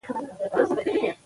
د ماشومانو لپاره کیسې ووایئ.